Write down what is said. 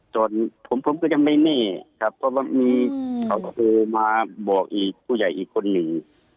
ผมก็ยังไม่แน่ครับเพราะว่ามีเขาโทรมาบอกอีกผู้ใหญ่อีกคนหนึ่ง